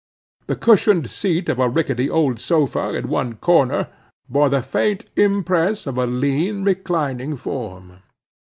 The cushioned seat of a rickety old sofa in one corner bore the faint impress of a lean, reclining form.